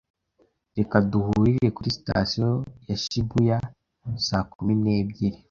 Reka duhurire kuri Sitasiyo ya Shibuya saa kumi n'ebyiri.